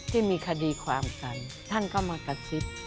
ที่มีคดีความกันท่านก็มากระซิบ